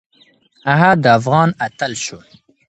هغه د افغان اتل شو